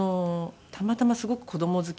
たまたますごく子供好きで。